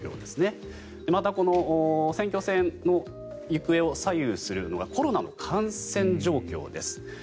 また、選挙戦の行方を左右するのがコロナの感染状況です。